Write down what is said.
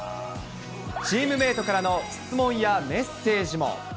チームメートからの質問やメッセージも。